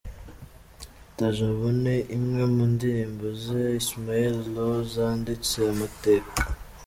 Tajabone, imwe mu ndirimbo za Ismaël Lô zanditse amateka.